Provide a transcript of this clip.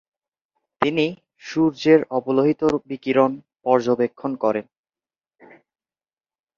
তিনি সূর্যের অবলোহিত বিকিরণ পর্যবেক্ষণ করেন।